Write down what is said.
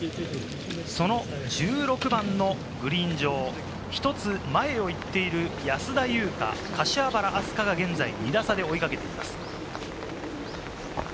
その１６番のグリーン上、１つ前を行っている安田祐香、柏原明日架が現在２打差で追いかけています。